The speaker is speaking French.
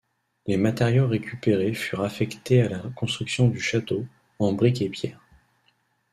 Les matériaux récupérés furent affectés à la construction du château, en brique et pierre.